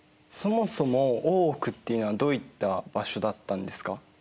そもそも大奥っていうのはどういった場所だったんですか？